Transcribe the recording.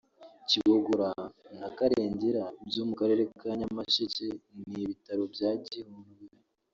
Kibogora na Karengera byo mu karere ka Nyamasheke n’ibitaro bya Gihundwe